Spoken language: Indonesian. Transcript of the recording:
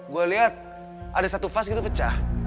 gue lihat ada satu vas gitu pecah